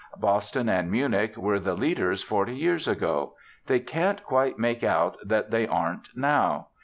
Boston and Munich were the leaders forty years ago. They can't quite make out that they aren't now.